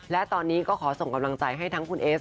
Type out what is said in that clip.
และตอนนี้ก็ขอส่งกำลังใจให้ทั้งคุณเอส